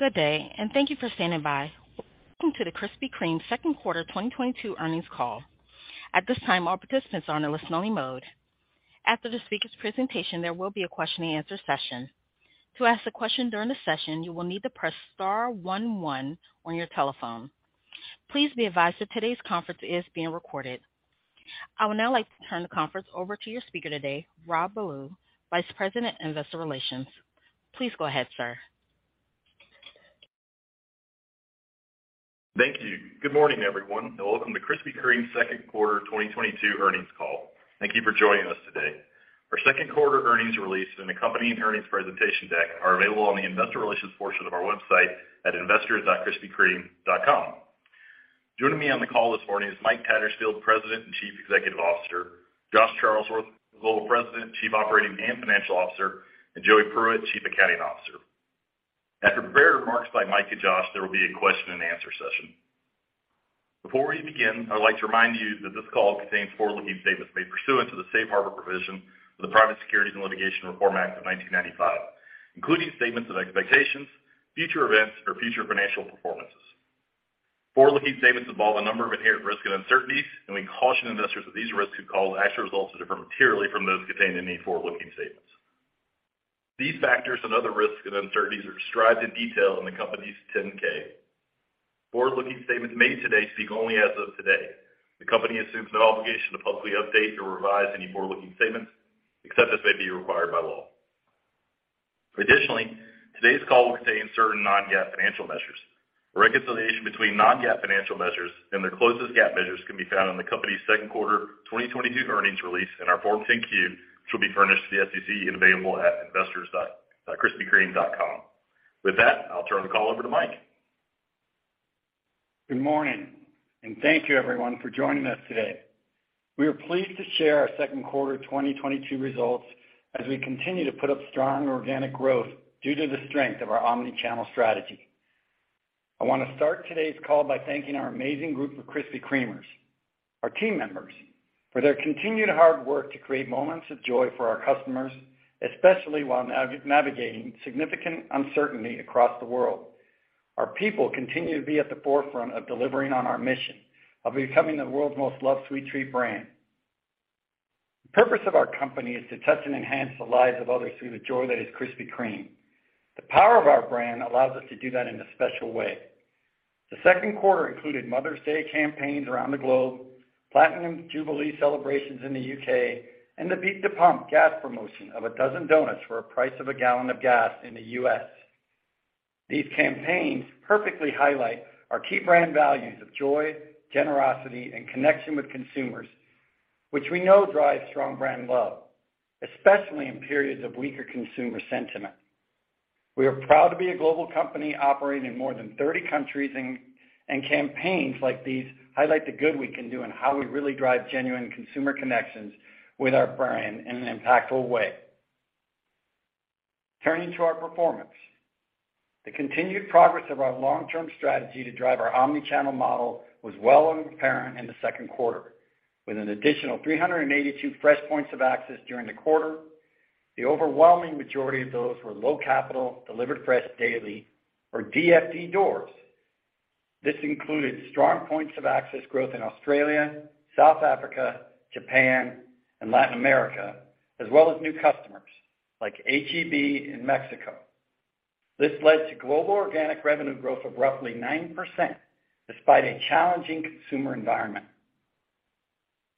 Good day, and thank you for standing by. Welcome to the Krispy Kreme Second Quarter 2022 Earnings Call. At this time, all participants are in a listen only mode. After the speaker's presentation, there will be a question-and-answer session. To ask a question during the session, you will need to press star one one on your telephone. Please be advised that today's conference is being recorded. I would now like to turn the conference over to your speaker today, Rob Ballew, Vice President, Investor Relations. Please go ahead, sir. Thank you. Good morning, everyone, and welcome to Krispy Kreme Second Quarter 2022 Earnings Call. Thank you for joining us today. Our second quarter earnings release and accompanying earnings presentation deck are available on the Investor Relations portion of our website at investors.krispykreme.com. Joining me on the call this morning is Mike Tattersfield, President and Chief Executive Officer, Josh Charlesworth, Global President, Chief Operating and Financial Officer, and Joey Pruitt, Chief Accounting Officer. After prepared remarks by Mike and Josh, there will be a question-and-answer session. Before we begin, I'd like to remind you that this call contains forward-looking statements made pursuant to the Safe Harbor provision of the Private Securities Litigation Reform Act of 1995, including statements of expectations, future events or future financial performances. Forward-looking statements involve a number of inherent risks and uncertainties, and we caution investors that these risks could cause actual results to differ materially from those contained in the forward-looking statements. These factors and other risks and uncertainties are described in detail in the company's 10-K. Forward-looking statements made today speak only as of today. The company assumes no obligation to publicly update or revise any forward-looking statements, except as may be required by law. Additionally, today's call will contain certain non-GAAP financial measures. A reconciliation between non-GAAP financial measures and their closest GAAP measures can be found in the company's second quarter 2022 earnings release and our Form 10-K, which will be furnished to the SEC and available at investors.krispykreme.com. With that, I'll turn the call over to Mike. Good morning, and thank you everyone for joining us today. We are pleased to share our second quarter 2022 results as we continue to put up strong organic growth due to the strength of our omni-channel strategy. I want to start today's call by thanking our amazing group of Krispy Kremers, our team members, for their continued hard work to create moments of joy for our customers, especially while navigating significant uncertainty across the world. Our people continue to be at the forefront of delivering on our mission of becoming the world's most loved sweet treat brand. The purpose of our company is to touch and enhance the lives of others through the joy that is Krispy Kreme. The power of our brand allows us to do that in a special way. The second quarter included Mother's Day campaigns around the globe, platinum jubilee celebrations in the U.K., and the Beat the Pump gas promotion of a dozen doughnuts for a price of a gallon of gas in the U.S. These campaigns perfectly highlight our key brand values of joy, generosity, and connection with consumers, which we know drives strong brand love, especially in periods of weaker consumer sentiment. We are proud to be a global company operating in more than 30 countries and campaigns like these highlight the good we can do and how we really drive genuine consumer connections with our brand in an impactful way. Turning to our performance. The continued progress of our long-term strategy to drive our omni-channel model was well apparent in the second quarter, with an additional 382 fresh points of access during the quarter. The overwhelming majority of those were low capital, delivered fresh daily or DFD doors. This included strong points of access growth in Australia, South Africa, Japan, and Latin America, as well as new customers like H-E-B in Mexico. This led to global organic revenue growth of roughly 9% despite a challenging consumer environment.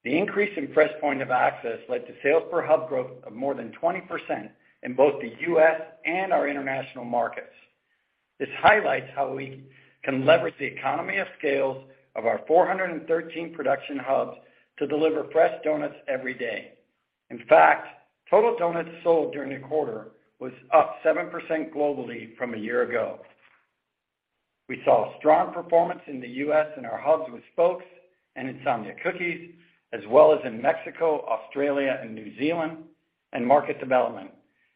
The increase in fresh points of access led to sales per hub growth of more than 20% in both the U.S. and our international markets. This highlights how we can leverage the economies of scale of our 413 production hubs to deliver fresh doughnuts every day. In fact, total doughnuts sold during the quarter was up 7% globally from a year ago. We saw strong performance in the U.S. in our hubs with spokes and Insomnia Cookies, as well as in Mexico, Australia, and New Zealand, and market development,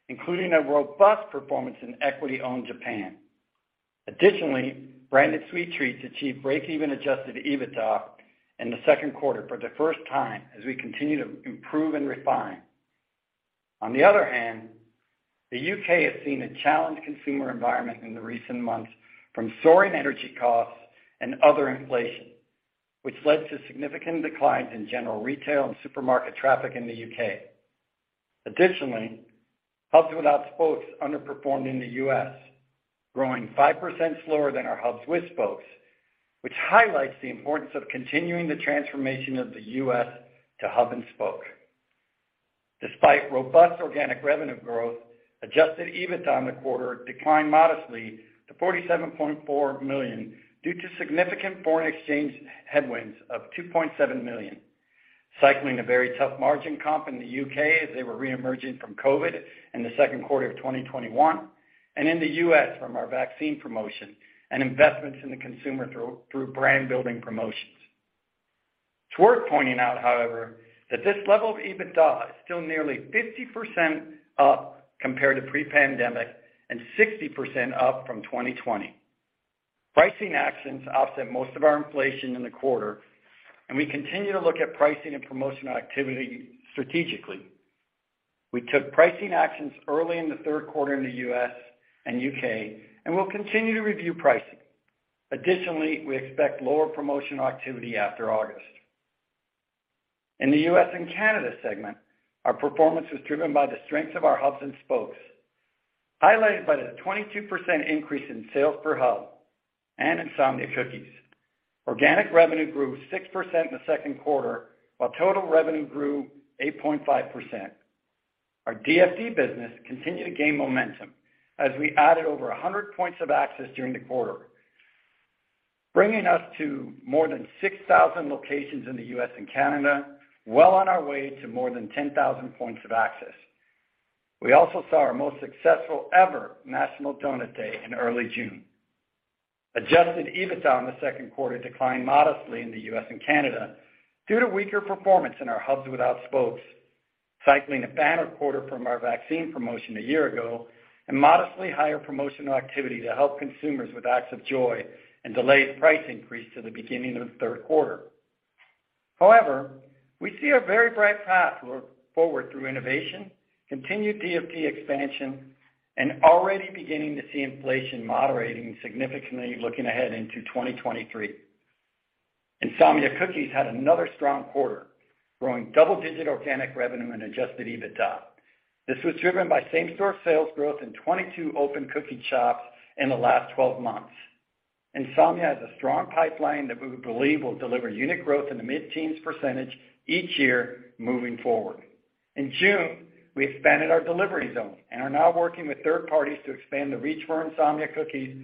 including a robust performance in equity-owned Japan. Additionally, Branded Sweet Treats achieved breakeven Adjusted EBITDA in the second quarter for the first time as we continue to improve and refine. On the other hand, the U.K. has seen a challenged consumer environment in the recent months from soaring energy costs and other inflation, which led to significant declines in general retail and supermarket traffic in the U.K. Additionally, hubs without spokes underperformed in the U.S., growing 5% slower than our hubs with spokes, which highlights the importance of continuing the transformation of the U.S. to hub and spoke. Despite robust organic revenue growth, Adjusted EBITDA in the quarter declined modestly to $47.4 million due to significant foreign exchange headwinds of $2.7 million, cycling a very tough margin comp in the U.K. as they were reemerging from COVID in the second quarter of 2021, and in the U.S. from our vaccine promotion and investments in the consumer through brand building promotions. It's worth pointing out, however, that this level of EBITDA is still nearly 50% up compared to pre-pandemic and 60% up from 2020. Pricing actions offset most of our inflation in the quarter, and we continue to look at pricing and promotional activity strategically. We took pricing actions early in the third quarter in the U.S. and U.K., and we'll continue to review pricing. Additionally, we expect lower promotional activity after August. In the U.S. and Canada segment, our performance was driven by the strengths of our hubs and spokes, highlighted by the 22% increase in sales per hub and Insomnia Cookies. Organic revenue grew 6% in the second quarter, while total revenue grew 8.5%. Our DFD business continued to gain momentum as we added over 100 points of access during the quarter, bringing us to more than 6,000 locations in the U.S. and Canada, well on our way to more than 10,000 points of access. We also saw our most successful ever National Doughnut Day in early June. Adjusted EBITDA in the second quarter declined modestly in the U.S. and Canada due to weaker performance in our hubs without spokes, cycling a banner quarter from our vaccine promotion a year ago, and modestly higher promotional activity to help consumers with acts of joy and delayed price increase to the beginning of the third quarter. However, we see a very bright path forward through innovation, continued DFD expansion, and already beginning to see inflation moderating significantly looking ahead into 2023. Insomnia Cookies had another strong quarter, growing double-digit organic revenue and Adjusted EBITDA. This was driven by same-store sales growth in 22 open cookie shops in the last 12 months. Insomnia has a strong pipeline that we believe will deliver unit growth in the mid-teens percentage each year moving forward. In June, we expanded our delivery zone and are now working with third parties to expand the reach for Insomnia Cookies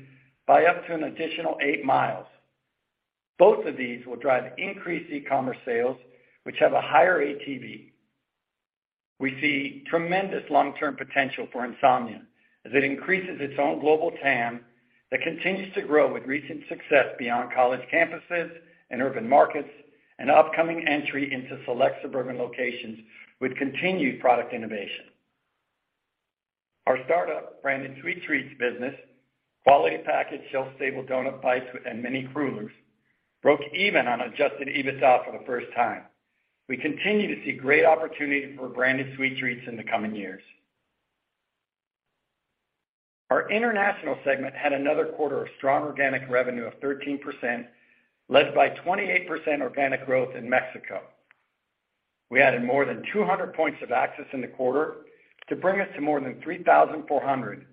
by up to an additional 8 mi. Both of these will drive increased e-commerce sales, which have a higher ATV. We see tremendous long-term potential for Insomnia as it increases its own global TAM that continues to grow with recent success beyond college campuses and urban markets and upcoming entry into select suburban locations with continued product innovation. Our startup Branded Sweet Treats business, quality packaged shelf-stable Doughnut Bites and mini crullers, broke even on Adjusted EBITDA for the first time. We continue to see great opportunity for Branded Sweet Treats in the coming years. Our international segment had another quarter of strong organic revenue of 13%, led by 28% organic growth in Mexico. We added more than 200 points of access in the quarter to bring us to more than 3,400,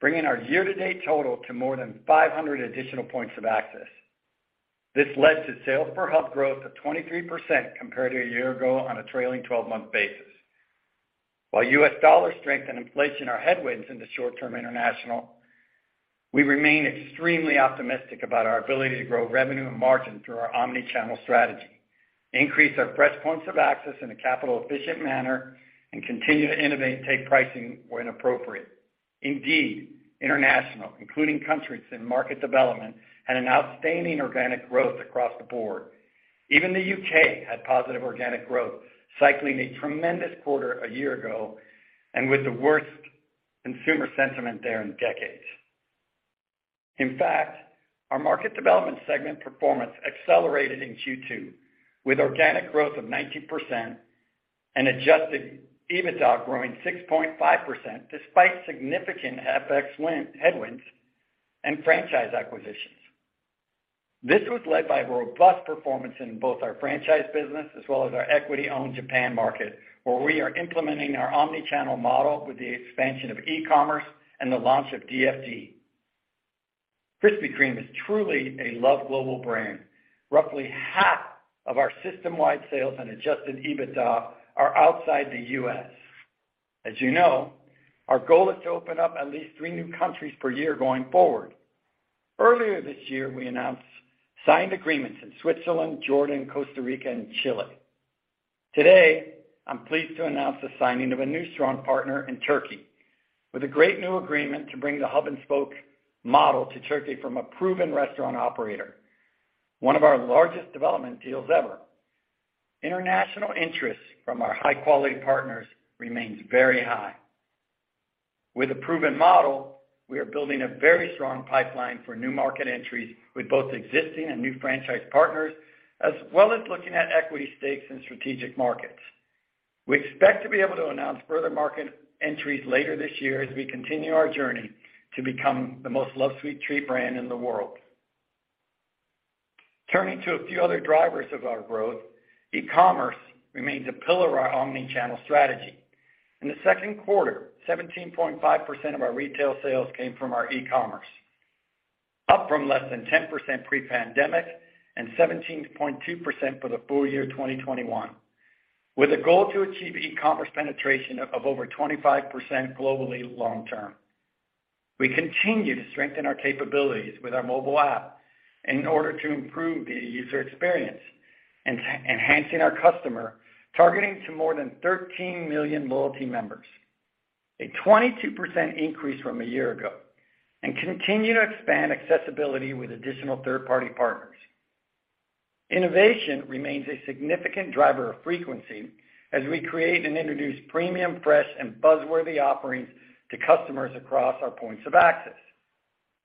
bringing our year-to-date total to more than 500 additional points of access. This led to sales per hub growth of 23% compared to a year ago on a trailing 12-month basis. While U.S. dollar strength and inflation are headwinds in the short-term international, we remain extremely optimistic about our ability to grow revenue and margin through our omni-channel strategy, increase our presence points of access in a capital-efficient manner, and continue to innovate and take pricing where appropriate. Indeed, international, including countries in market development, had an outstanding organic growth across the board. Even the U.K. had positive organic growth, cycling a tremendous quarter a year ago and with the worst consumer sentiment there in decades. In fact, our market development segment performance accelerated in Q2 with organic growth of 19% and Adjusted EBITDA growing 6.5% despite significant FX headwinds and franchise acquisitions. This was led by robust performance in both our franchise business as well as our equity-owned Japan market, where we are implementing our omni-channel model with the expansion of e-commerce and the launch of DFD. Krispy Kreme is truly a loved global brand. Roughly half of our system-wide sales and Adjusted EBITDA are outside the U.S. As you know, our goal is to open up at least three new countries per year going forward. Earlier this year, we announced signed agreements in Switzerland, Jordan, Costa Rica, and Chile. Today, I'm pleased to announce the signing of a new strong partner in Turkey with a great new agreement to bring the hub and spoke model to Turkey from a proven restaurant operator, one of our largest development deals ever. International interest from our high-quality partners remains very high. With a proven model, we are building a very strong pipeline for new market entries with both existing and new franchise partners, as well as looking at equity stakes in strategic markets. We expect to be able to announce further market entries later this year as we continue our journey to become the most loved sweet treat brand in the world. Turning to a few other drivers of our growth, e-commerce remains a pillar of our omni-channel strategy. In the second quarter, 17.5% of our retail sales came from our e-commerce, up from less than 10% pre-pandemic and 17.2% for the full year 2021, with a goal to achieve e-commerce penetration of over 25% globally long term. We continue to strengthen our capabilities with our mobile app in order to improve the user experience, enhancing our customer targeting to more than 13 million loyalty members, a 22% increase from a year ago, and continue to expand accessibility with additional third-party partners. Innovation remains a significant driver of frequency as we create and introduce premium, fresh, and buzz-worthy offerings to customers across our points of access.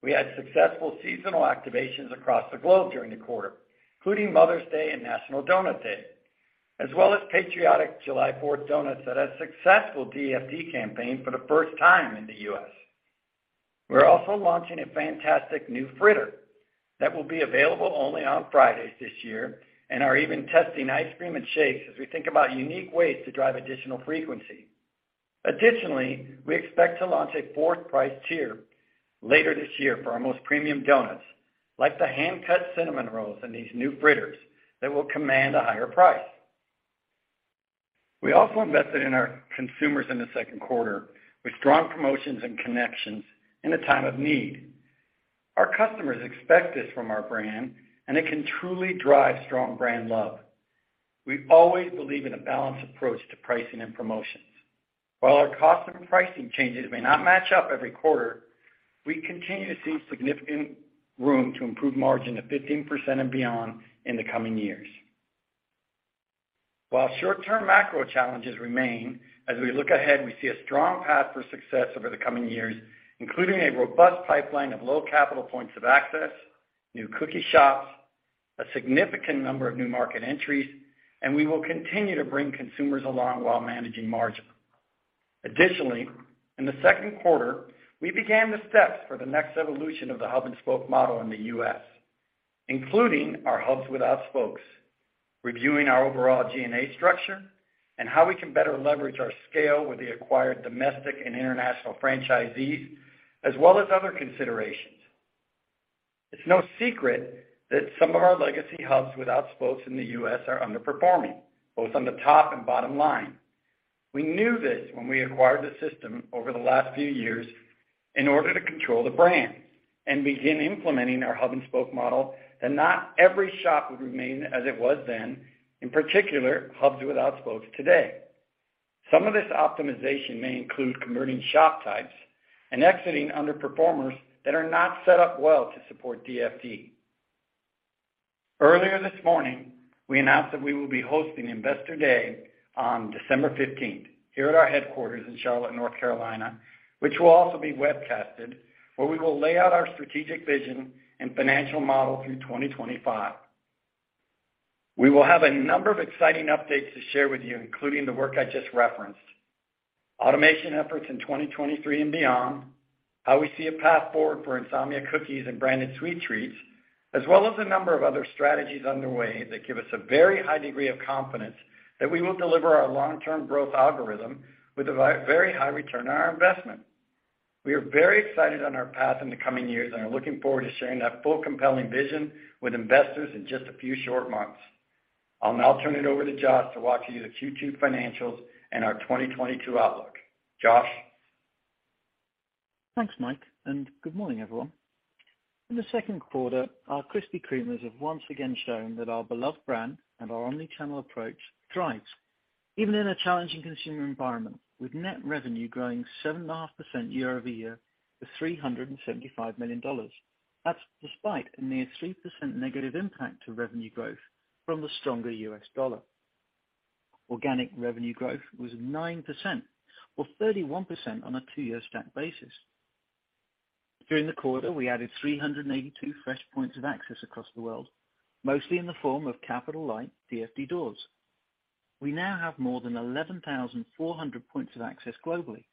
We had successful seasonal activations across the globe during the quarter, including Mother's Day and National Doughnut Day, as well as patriotic July 4th doughnuts that had successful DFD campaign for the first time in the U.S. We're also launching a fantastic new fritter that will be available only on Fridays this year, and are even testing ice cream and shakes as we think about unique ways to drive additional frequency. Additionally, we expect to launch a fourth price tier later this year for our most premium doughnuts, like the hand-cut Cinnamon Rolls and these new fritters that will command a higher price. We also invested in our consumers in the second quarter with strong promotions and connections in a time of need. Our customers expect this from our brand, and it can truly drive strong brand love. We always believe in a balanced approach to pricing and promotions. While our cost and pricing changes may not match up every quarter, we continue to see significant room to improve margin to 15% and beyond in the coming years. While short-term macro challenges remain, as we look ahead, we see a strong path for success over the coming years, including a robust pipeline of low capital points of access, new cookie shops, a significant number of new market entries, and we will continue to bring consumers along while managing margin. Additionally, in the second quarter, we began the steps for the next evolution of the hub and spoke model in the U.S., including our hubs without spokes, reviewing our overall G&A structure and how we can better leverage our scale with the acquired domestic and international franchisees, as well as other considerations. It's no secret that some of our legacy hubs without spokes in the U.S. are underperforming, both on the top and bottom line. We knew this when we acquired the system over the last few years in order to control the brand and begin implementing our hub and spoke model that not every shop would remain as it was then, in particular, hubs without spokes today. Some of this optimization may include converting shop types and exiting underperformers that are not set up well to support DFD. Earlier this morning, we announced that we will be hosting Investor Day on December 15th here at our headquarters in Charlotte, North Carolina, which will also be webcasted, where we will lay out our strategic vision and financial model through 2025. We will have a number of exciting updates to share with you, including the work I just referenced, automation efforts in 2023 and beyond, how we see a path forward for Insomnia Cookies and Branded Sweet Treats, as well as a number of other strategies underway that give us a very high degree of confidence that we will deliver our long-term growth algorithm with a very high return on our investment. We are very excited on our path in the coming years and are looking forward to sharing that full, compelling vision with investors in just a few short months. I'll now turn it over to Josh to walk you through the Q2 financials and our 2022 outlook. Josh? Thanks, Mike, and good morning, everyone. In the second quarter, our Krispy Kremers have once again shown that our beloved brand and our omni-channel approach thrives even in a challenging consumer environment, with net revenue growing 7.5% year-over-year to $375 million. That's despite a near 3% negative impact to revenue growth from the stronger U.S. dollar. Organic revenue growth was 9% or 31% on a two-year stack basis. During the quarter, we added 382 fresh points of access across the world, mostly in the form of capital-light DFD doors. We now have more than 11,400 points of access globally,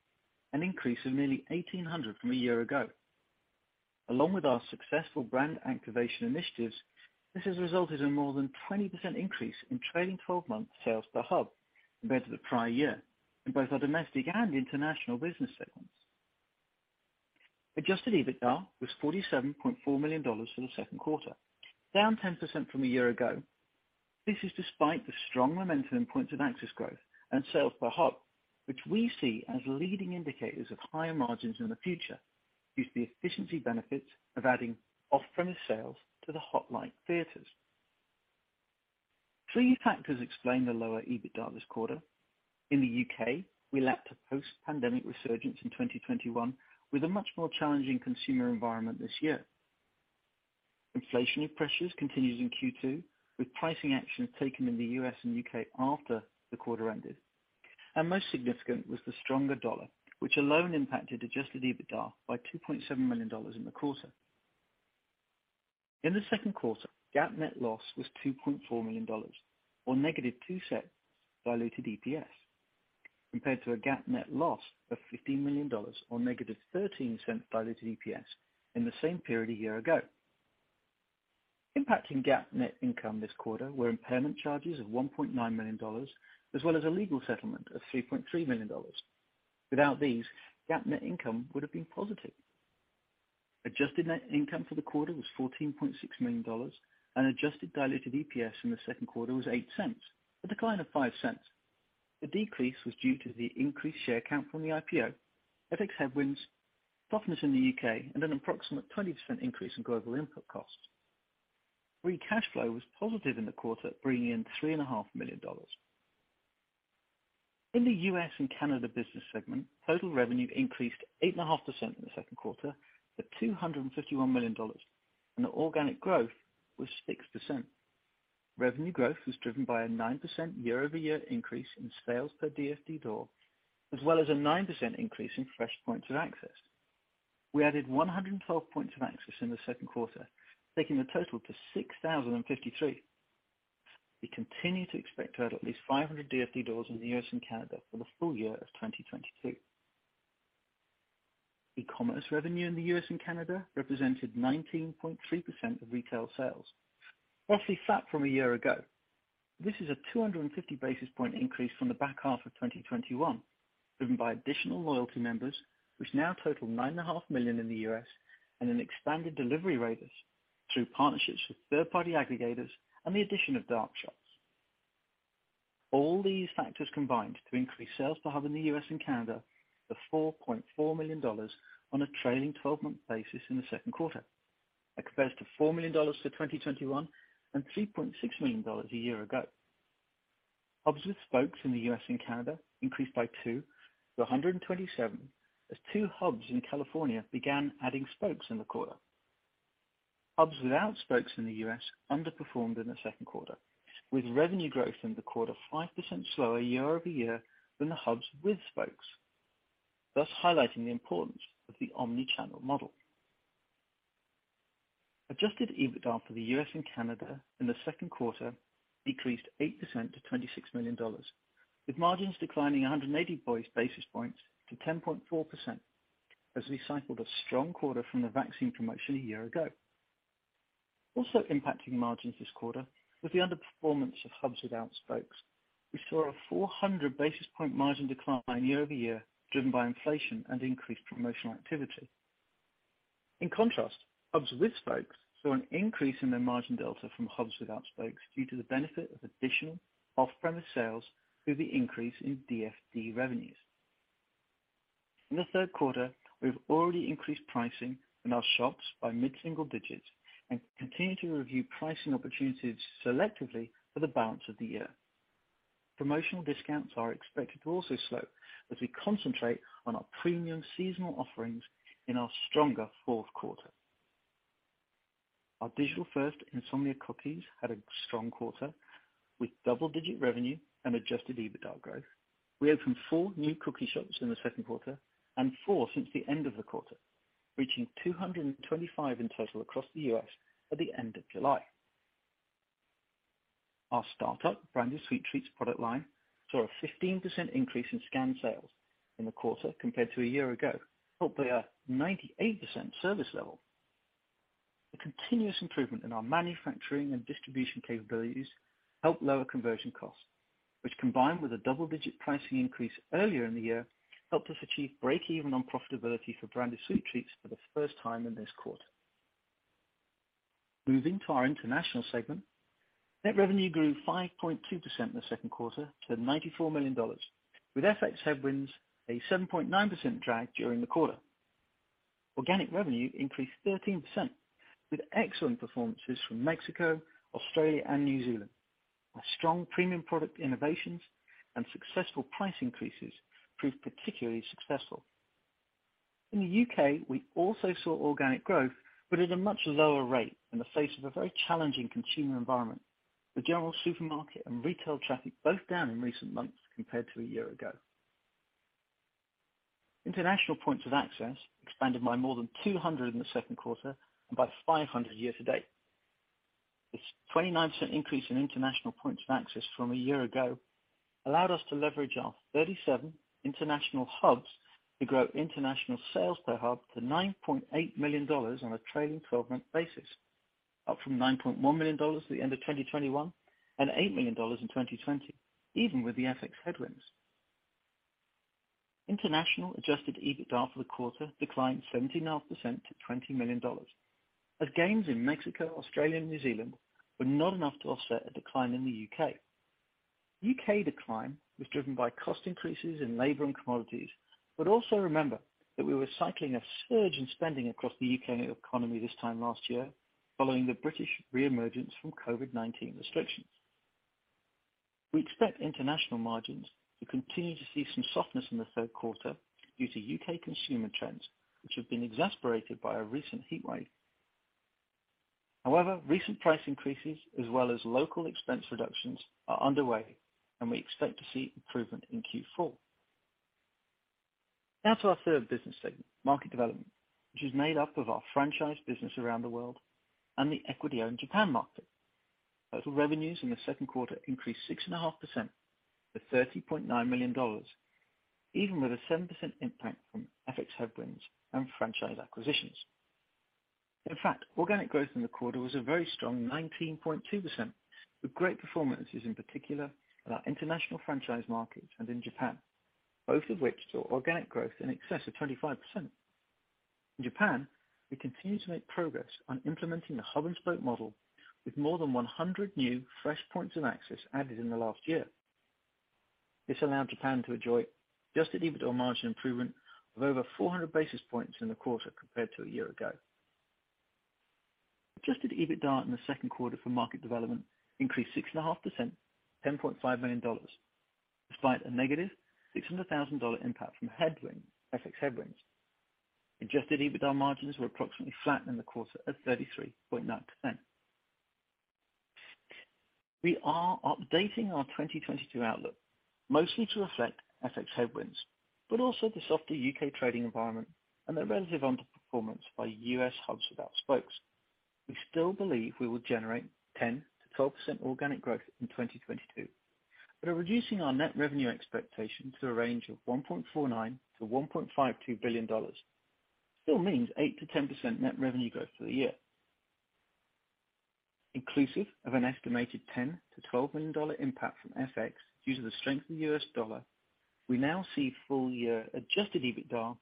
an increase of nearly 1,800 from a year ago. Along with our successful brand activation initiatives, this has resulted in more than 20% increase in trailing 12 months sales per hub compared to the prior year in both our domestic and international business segments. Adjusted EBITDA was $47.4 million for the second quarter, down 10% from a year ago. This is despite the strong momentum in points of access growth and sales per hub, which we see as leading indicators of higher margins in the future due to the efficiency benefits of adding off-premise sales to the Hot Light Theaters. Three factors explain the lower EBITDA this quarter. In the U.K., we lacked a post-pandemic resurgence in 2021, with a much more challenging consumer environment this year. Inflationary pressures continues in Q2, with pricing actions taken in the U.S. and U.K. after the quarter ended. Most significant was the stronger dollar, which alone impacted Adjusted EBITDA by $2.7 million in the quarter. In the second quarter, GAAP net loss was $2.4 million or -$0.02 diluted EPS, compared to a GAAP net loss of $15 million or -$0.13 diluted EPS in the same period a year ago. Impacting GAAP net income this quarter were impairment charges of $1.9 million, as well as a legal settlement of $3.3 million. Without these, GAAP net income would have been positive. Adjusted net income for the quarter was $14.6 million, and Adjusted Diluted EPS in the second quarter was $0.08, a decline of $0.05. The decrease was due to the increased share count from the IPO, FX headwinds, softness in the U.K., and an approximate 20% increase in global input costs. Free cash flow was positive in the quarter, bringing in $3.5 million. In the U.S. and Canada business segment, total revenue increased 8.5% in the second quarter to $251 million, and the organic growth was 6%. Revenue growth was driven by a 9% year-over-year increase in sales per DFD door, as well as a 9% increase in fresh points of access. We added 112 points of access in the second quarter, taking the total to 6,053. We continue to expect to add at least 500 DFD doors in the U.S. and Canada for the full year of 2022. E-commerce revenue in the U.S. and Canada represented 19.3% of retail sales, roughly flat from a year ago. This is a 250 basis point increase from the back half of 2021, driven by additional loyalty members, which now total 9.5 million in the U.S. and an expanded delivery radius through partnerships with third-party aggregators and the addition of dark shops. All these factors combined to increase sales per hub in the U.S. and Canada to $4.4 million on a trailing 12-month basis in the second quarter, as compared to $4 million for 2021 and $3.6 million a year ago. Hubs with spokes in the U.S. and Canada increased by two to 127, as two hubs in California began adding spokes in the quarter. Hubs without spokes in the U.S. underperformed in the second quarter, with revenue growth in the quarter 5% slower year-over-year than the hubs with spokes, thus highlighting the importance of the omni-channel model. Adjusted EBITDA for the U.S. and Canada in the second quarter decreased 8% to $26 million, with margins declining 180 basis points to 10.4% as we cycled a strong quarter from the vaccine promotion a year ago. Also impacting margins this quarter was the underperformance of hubs without spokes. We saw a 400 basis points margin decline year-over-year, driven by inflation and increased promotional activity. In contrast, hubs with spokes saw an increase in their margin delta from hubs without spokes due to the benefit of additional off-premise sales through the increase in DFD revenues. In the third quarter, we've already increased pricing in our shops by mid-single digits and continue to review pricing opportunities selectively for the balance of the year. Promotional discounts are expected to also slow as we concentrate on our premium seasonal offerings in our stronger fourth quarter. Our digital-first Insomnia Cookies had a strong quarter, with double-digit revenue and Adjusted EBITDA growth. We opened four new cookie shops in the second quarter and four since the end of the quarter, reaching 225 in total across the U.S. at the end of July. Our startup Branded Sweet Treats product line saw a 15% increase in scanned sales in the quarter compared to a year ago, helped by a 98% service level. The continuous improvement in our manufacturing and distribution capabilities helped lower conversion costs, which, combined with a double-digit pricing increase earlier in the year, helped us achieve break-even on profitability for Branded Sweet Treats for the first time in this quarter. Moving to our international segment, net revenue grew 5.2% in the second quarter to $94 million, with FX headwinds a 7.9% drag during the quarter. Organic revenue increased 13% with excellent performances from Mexico, Australia, and New Zealand. Our strong premium product innovations and successful price increases proved particularly successful. In the U.K., we also saw organic growth, but at a much lower rate in the face of a very challenging consumer environment, with general supermarket and retail traffic both down in recent months compared to a year ago. International points of access expanded by more than 200 in the second quarter and by 500 year-to-date. This 29% increase in international points of access from a year ago allowed us to leverage our 37 international hubs to grow international sales per hub to $9.8 million on a trailing 12-month basis, up from $9.1 million at the end of 2021 and $8 million in 2020, even with the FX headwinds. International Adjusted EBITDA for the quarter declined 17.5% to $20 million, as gains in Mexico, Australia and New Zealand were not enough to offset a decline in the U.K. U.K. decline was driven by cost increases in labor and commodities. also remember that we were cycling a surge in spending across the U.K. economy this time last year following the British reemergence from COVID-19 restrictions. We expect international margins to continue to see some softness in the third quarter due to U.K. consumer trends, which have been exacerbated by a recent heat wave. However, recent price increases as well as local expense reductions are underway and we expect to see improvement in Q4. Now to our third business segment, market development, which is made up of our franchise business around the world and the equity-owned Japan market. Total revenues in the second quarter increased 6.5% to $30.9 million, even with a 7% impact from FX headwinds and franchise acquisitions. In fact, organic growth in the quarter was a very strong 19.2%, with great performances in particular in our international franchise markets and in Japan, both of which saw organic growth in excess of 25%. In Japan, we continue to make progress on implementing the hub and spoke model with more than 100 new fresh points of access added in the last year. This allowed Japan to enjoy Adjusted EBITDA margin improvement of over 400 basis points in the quarter compared to a year ago. Adjusted EBITDA in the second quarter for market development increased 6.5%, $10.5 million, despite a -$600,000 impact from FX headwinds. Adjusted EBITDA margins were approximately flat in the quarter at 33.9%. We are updating our 2022 outlook mostly to reflect FX headwinds, but also the softer U.K. trading environment and the relative underperformance by U.S. hubs without spokes. We still believe we will generate 10%-12% organic growth in 2022, but are reducing our net revenue expectation to a range of $1.49 billion-$1.52 billion. Still means 8%-10% net revenue growth for the year. Inclusive of an estimated $10 million-$12 million impact from FX due to the strength of the U.S. dollar, we now see full-year Adjusted EBITDA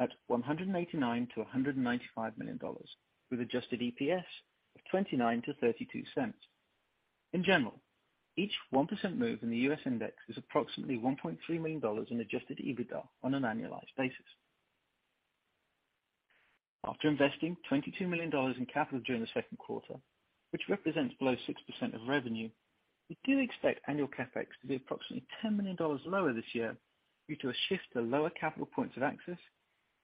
at $189 million-$195 million, with Adjusted EPS of $0.29-$0.32. In general, each 1% move in the U.S. index is approximately $1.3 million in Adjusted EBITDA on an annualized basis. After investing $22 million in capital during the second quarter, which represents below 6% of revenue, we do expect annual CapEx to be approximately $10 million lower this year due to a shift to lower capital points of access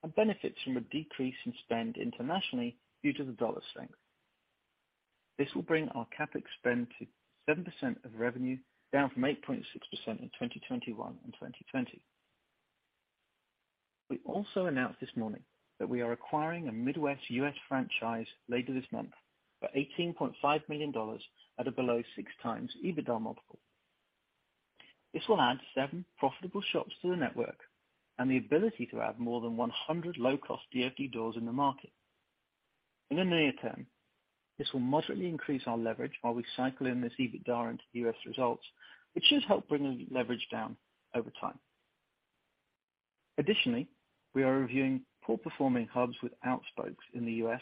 and benefits from a decrease in spend internationally due to the dollar strength. This will bring our CapEx spend to 7% of revenue, down from 8.6% in 2021 and 2020. We also announced this morning that we are acquiring a Midwest U.S. franchise later this month for $18.5 million at a below 6x EBITDA multiple. This will add seven profitable shops to the network and the ability to add more than 100 low cost DFD doors in the market. In the near term, this will moderately increase our leverage while we cycle in this EBITDA into the U.S. results, which should help bring the leverage down over time. Additionally, we are reviewing poorly performing hubs without spokes in the U.S.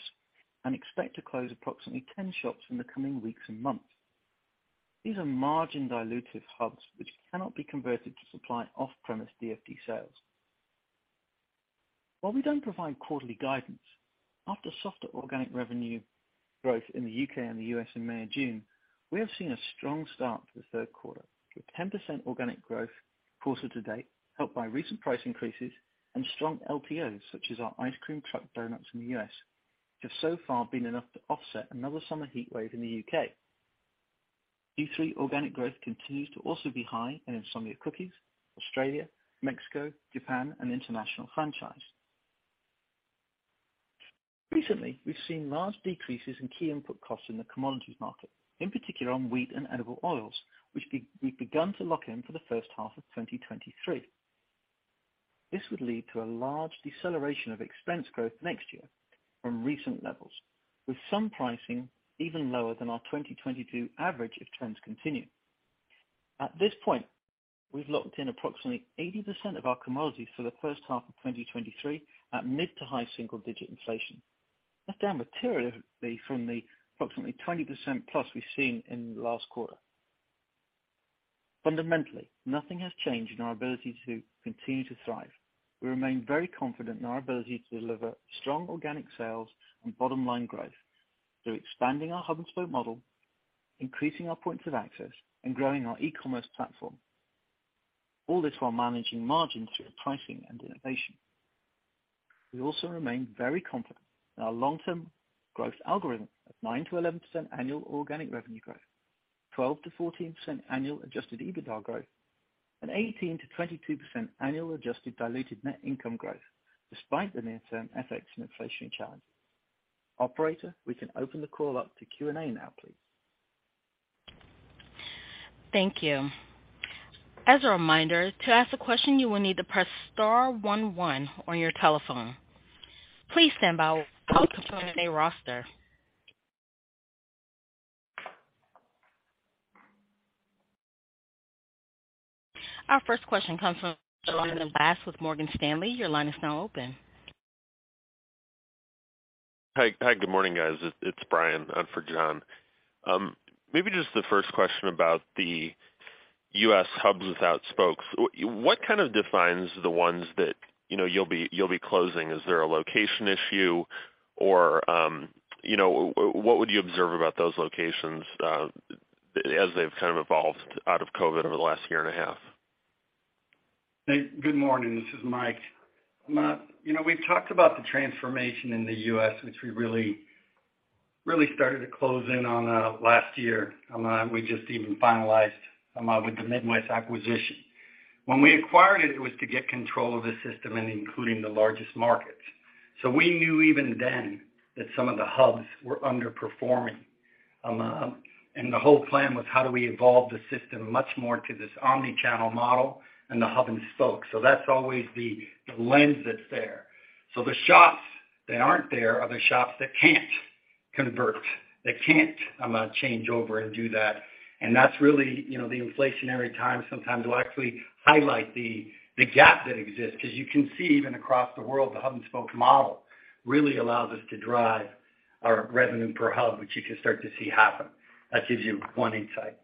and expect to close approximately 10 shops in the coming weeks and months. These are margin dilutive hubs which cannot be converted to supply off premise DFD sales. While we don't provide quarterly guidance, after softer organic revenue growth in the U.K. and the U.S. in May and June, we have seen a strong start to the third quarter, with 10% organic growth quarter-to-date, helped by recent price increases and strong LTOs, such as our Ice Cream Truck doughnuts in the U.S., which have so far been enough to offset another summer heatwave in the U.K. Q3 organic growth continues to also be high in Insomnia Cookies, Australia, Mexico, Japan, and international franchise. Recently, we've seen large decreases in key input costs in the commodities market, in particular on wheat and edible oils, which we've begun to lock in for the first half of 2023. This would lead to a large deceleration of expense growth next year from recent levels, with some pricing even lower than our 2022 average if trends continue. At this point, we've locked in approximately 80% of our commodities for the first half of 2023 at mid to high single digit inflation. That's down materially from the approximately 20% plus we've seen in the last quarter. Fundamentally, nothing has changed in our ability to continue to thrive. We remain very confident in our ability to deliver strong organic sales and bottom line growth through expanding our hub and spoke model, increasing our points of access, and growing our e-commerce platform, all this while managing margins through pricing and innovation. We also remain very confident in our long term growth algorithm of 9%-11% annual organic revenue growth, 12%-14% annual Adjusted EBITDA growth, and 18%-22% annual adjusted diluted net income growth despite the near term FX and inflation challenge. Operator, we can open the call up to Q&A now, please. Thank you. As a reminder, to ask a question, you will need to press star one one on your telephone. Please stand by while we compile the Q&A roster. Our first question comes from Brian Harbour with Morgan Stanley. Your line is now open. Hi. Good morning, guys. It's Brian for John. Maybe just the first question about the U.S. hubs without spokes. What kind of defines the ones that, you know, you'll be closing? Is there a location issue or, you know, what would you observe about those locations as they've kind of evolved out of COVID over the last year and a half? Hey, good morning. This is Mike. You know, we've talked about the transformation in the U.S., which we really, really started to close in on last year. We just even finalized with the Midwest acquisition. When we acquired it was to get control of the system and including the largest markets. We knew even then that some of the hubs were underperforming. The whole plan was how do we evolve the system much more to this omni-channel model and the hub and spoke. That's always the lens that's there. The shops that aren't there are the shops that can't convert, that can't change over and do that. That's really, you know, the inflationary time sometimes will actually highlight the gap that exists, because you can see even across the world, the hub and spoke model really allows us to drive our revenue per hub, which you can start to see happen. That gives you one insight.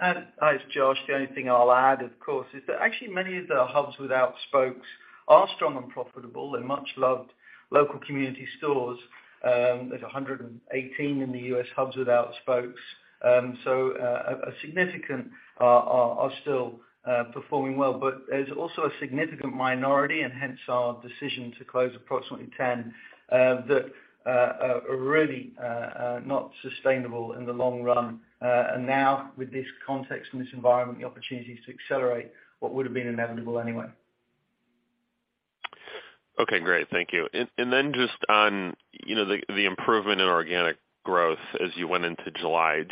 Hi, it's Josh. The only thing I'll add, of course, is that actually many of the hubs without spokes are strong and profitable. They're much-loved local community stores. There's 118 in the U.S. hubs without spokes. A significant are still performing well. There's also a significant minority, and hence our decision to close approximately 10 that are really not sustainable in the long run. Now with this context and this environment, the opportunity is to accelerate what would've been inevitable anyway. Okay, great. Thank you. Then just on, you know, the improvement in organic growth as you went into July.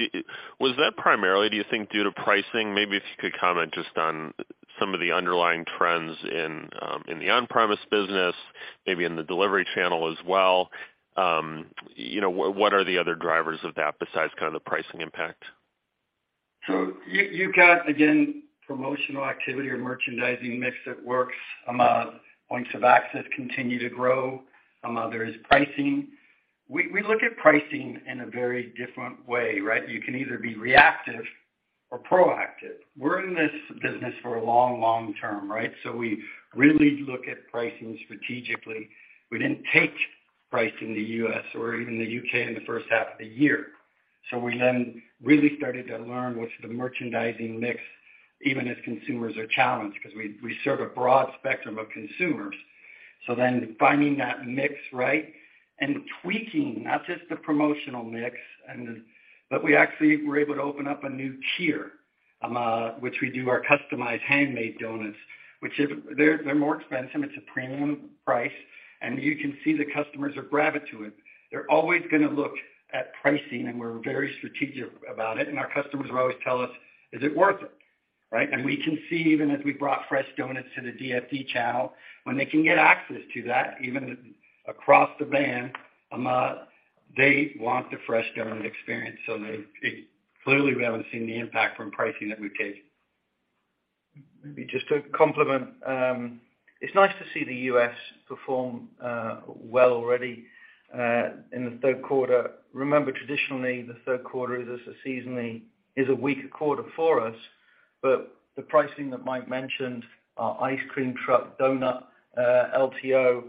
Was that primarily, do you think, due to pricing? Maybe if you could comment just on some of the underlying trends in the on-premise business, maybe in the delivery channel as well. You know, what are the other drivers of that besides kind of the pricing impact? You got, again, promotional activity or merchandising mix that works. Points of access continue to grow. There is pricing. We look at pricing in a very different way, right? You can either be reactive or proactive. We're in this business for a long, long term, right? We really look at pricing strategically. We didn't take price in the U.S. or even the U.K. in the first half of the year. We then really started to learn what's the merchandising mix, even as consumers are challenged, because we serve a broad spectrum of consumers. Finding that mix right and tweaking not just the promotional mix and, but we actually were able to open up a new tier, which we do our customized handmade doughnuts. They're more expensive, it's a premium price, and you can see the customers are gravitating to it. They're always gonna look at pricing, and we're very strategic about it. Our customers will always tell us, "Is it worth it?" Right? We can see even as we brought fresh doughnuts to the DFD channel, when they can get access to that, even across the brand, they want the fresh doughnut experience. It clearly we haven't seen the impact from pricing that we've taken. Maybe just to complement, it's nice to see the U.S. perform well already in the third quarter. Remember, traditionally, the third quarter is seasonally a weaker quarter for us. The pricing that Mike mentioned, our Ice Cream Truck doughnut LTO,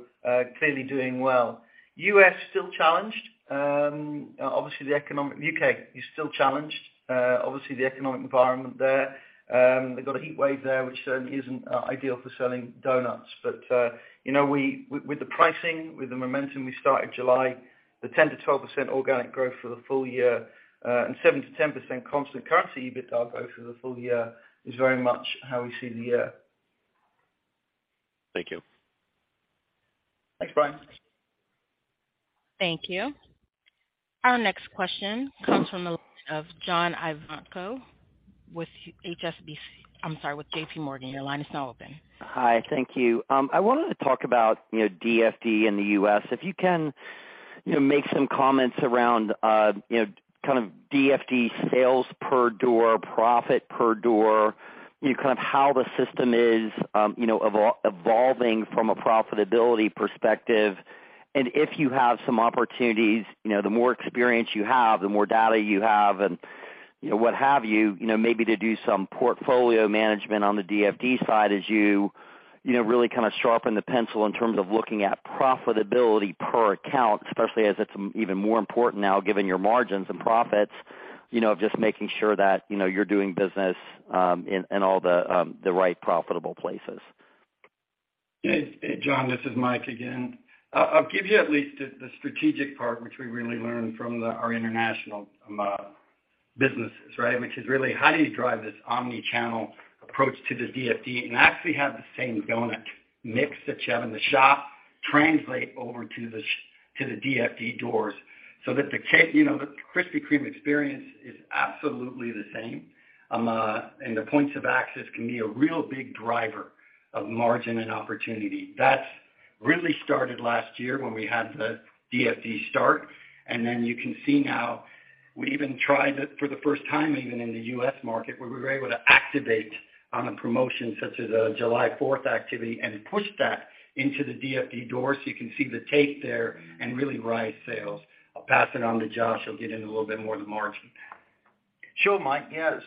clearly doing well. U.S. still challenged. Obviously, U.K. is still challenged. Obviously, the economic environment there. They've got a heat wave there, which certainly isn't ideal for selling doughnuts. With the pricing, with the momentum we started July, the 10%-12% organic growth for the full year, and 7%-10% constant currency EBITDA growth for the full year is very much how we see the year. Thank you. Thanks, Brian. Thank you. Our next question comes from the line of John Ivankoe with HSBC, I'm sorry, with JPMorgan. Your line is now open. Hi, thank you. I wanted to talk about, you know, DFD in the U.S. If you can, you know, make some comments around, you know, kind of DFD sales per door, profit per door, you know, kind of how the system is, you know, evolving from a profitability perspective. If you have some opportunities, you know, the more experience you have, the more data you have and, you know, what have you know, maybe to do some portfolio management on the DFD side as you know, really kind of sharpen the pencil in terms of looking at profitability per account, especially as it's even more important now given your margins and profits, you know, of just making sure that, you know, you're doing business in all the right profitable places. Yeah. John, this is Mike again. I'll give you at least the strategic part, which we really learned from our international businesses, right? Which is really how do you drive this omni-channel approach to the DFD and actually have the same doughnut mix that you have in the shop translate over to the DFD doors so that you know, the Krispy Kreme experience is absolutely the same. The points of access can be a real big driver of margin and opportunity. That's really started last year when we had the DFD start, and then you can see now we even tried it for the first time, even in the U.S. market, where we were able to activate on a promotion such as a July 4th activity and push that into the DFD door so you can see the uptake there and really drive sales. I'll pass it on to Josh. He'll get into a little bit more of the margin. Sure, Mike. Yeah.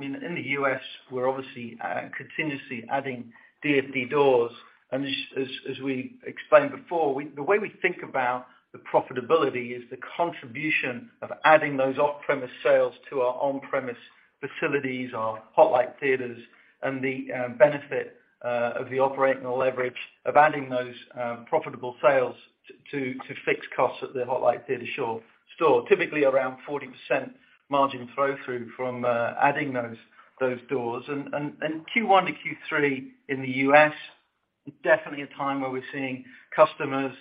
In the U.S., we're obviously continuously adding DFD doors. Just as we explained before, the way we think about the profitability is the contribution of adding those off-premise sales to our on-premise facilities, our Hot Light Theaters, and the benefit of the operating leverage of adding those profitable sales to fixed costs at the Hot Light Theater store. Typically, around 40% margin flow through from adding those doors. Q1 to Q3 in the U.S. is definitely a time where we're seeing customers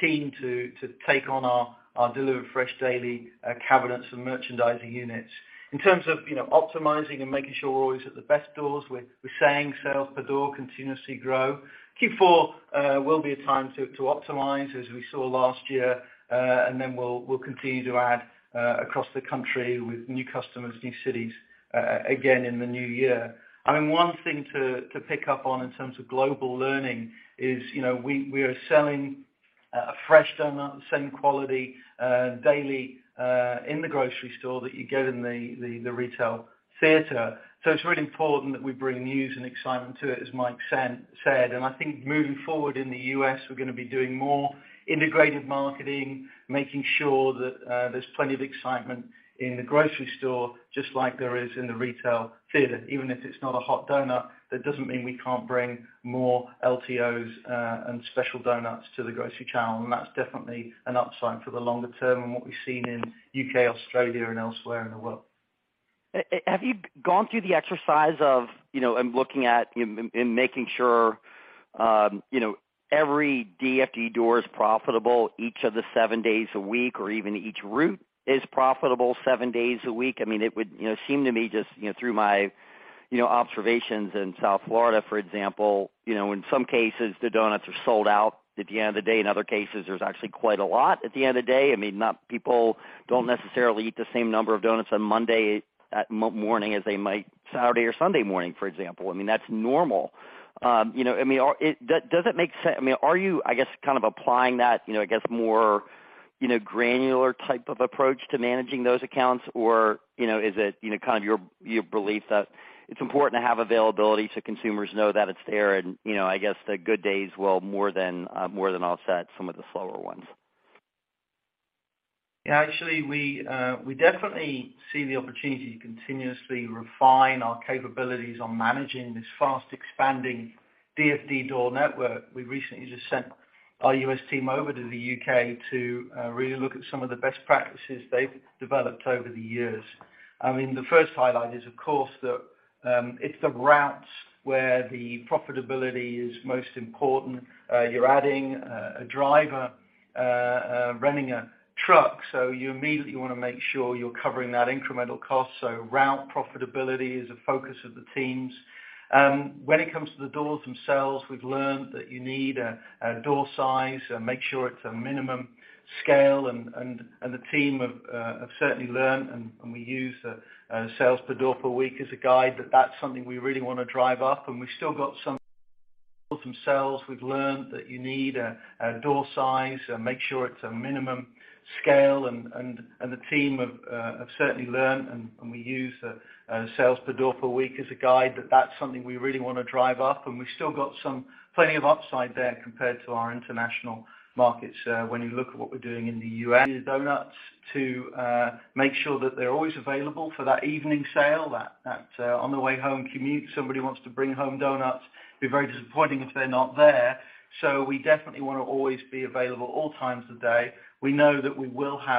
keen to take on our Deliver Fresh Daily cabinets and merchandising units. In terms of optimizing and making sure we're always at the best doors, we're seeing sales per door continuously grow. Q4 will be a time to optimize as we saw last year. We'll continue to add across the country with new customers, new cities, again in the new year. I mean, one thing to pick up on in terms of global learning is, you know, we are selling a fresh doughnut, the same quality daily, in the grocery store that you get in the retail theater. It's really important that we bring news and excitement to it, as Mike said. I think moving forward in the U.S., we're gonna be doing more integrated marketing, making sure that there's plenty of excitement in the grocery store, just like there is in the retail theater. Even if it's not a hot doughnut, that doesn't mean we can't bring more LTOs and special doughnuts to the grocery channel. That's definitely an upside for the longer term and what we've seen in U.K., Australia, and elsewhere in the world. Have you gone through the exercise of, you know, looking at and making sure, you know, every DFD door is profitable each of the seven days a week or even each route is profitable seven days a week? I mean, it would, you know, seem to me just, you know, through my, you know, observations in South Florida, for example, you know, in some cases, the doughnuts are sold out at the end of the day. In other cases, there's actually quite a lot at the end of the day. I mean, people don't necessarily eat the same number of doughnuts on Monday morning as they might Saturday or Sunday morning, for example. I mean, that's normal. I mean, are you, I guess, kind of applying that, you know, I guess, more, you know, granular type of approach to managing those accounts? Or, you know, is it, you know, kind of your belief that it's important to have availability so consumers know that it's there and, you know, I guess, the good days will more than offset some of the slower ones? Yeah, actually, we definitely see the opportunity to continuously refine our capabilities on managing this fast expanding DFD door network. We recently just sent our U.S. team over to the U.K. to really look at some of the best practices they've developed over the years. I mean, the first highlight is, of course, that it's the routes where the profitability is most important. You're adding a driver running a truck, so you immediately wanna make sure you're covering that incremental cost. So route profitability is a focus of the teams. When it comes to the doors themselves, we've learned that you need a door size, make sure it's a minimum scale. The team have certainly learned, and we use sales per door per week as a guide, that that's something we really wanna drive up. We've learned that you need a door size, make sure it's a minimum scale. We've still got plenty of upside there compared to our international markets, when you look at what we're doing in the U.S. Doughnuts to make sure that they're always available for that evening sale, on the way home commute, somebody wants to bring home doughnuts. Be very disappointing if they're not there. We definitely wanna always be available all times of day. We know that we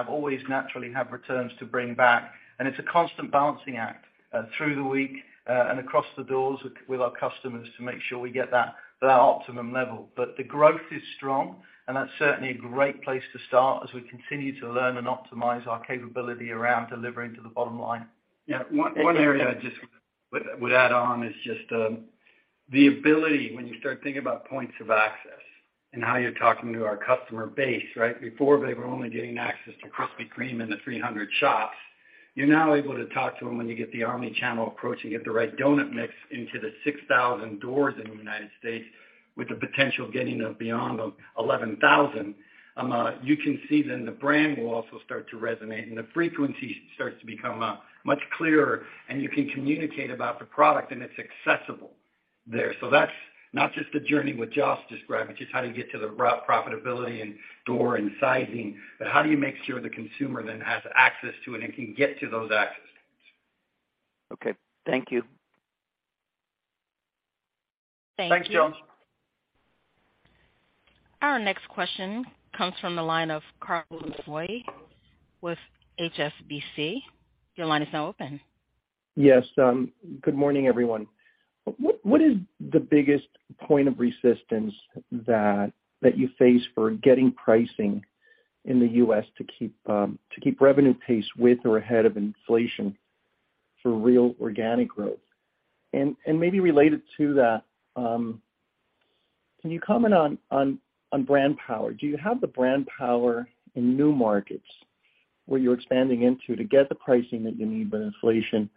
always naturally have returns to bring back, and it's a constant balancing act through the week and across the doors with our customers to make sure we get that to our optimum level. The growth is strong, and that's certainly a great place to start as we continue to learn and optimize our capability around delivering to the bottom line. Yeah. One area I just would add on is just the ability when you start thinking about points of access and how you're talking to our customer base, right? Before, they were only getting access to Krispy Kreme in the 300 shops. You're now able to talk to them when you get the omni-channel approach and get the right doughnut mix into the 6,000 doors in the United States with the potential getting of beyond the 11,000. You can see then the brand will also start to resonate, and the frequency starts to become much clearer, and you can communicate about the product, and it's accessible there. That's not just the journey that Josh described, which is how do you get to our profitability and store sizing, but how do you make sure the consumer then has access to it and can get to those access points. Okay. Thank you. Thanks, John. Our next question comes from the line of Jaafar Mestari with HSBC. Your line is now open. Yes. Good morning, everyone. What is the biggest point of resistance that you face for getting pricing in the U.S. to keep revenue pace with or ahead of inflation for real organic growth? Maybe related to that, can you comment on brand power? Do you have the brand power in new markets where you're expanding into to get the pricing that you need with inflation?